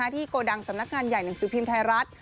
โกดังสำนักงานใหญ่หนังสือพิมพ์ไทยรัฐ